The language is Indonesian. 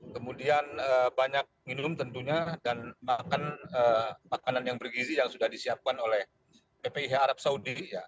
kemudian banyak minum tentunya dan makan makanan yang bergizi yang sudah disiapkan oleh ppih arab saudi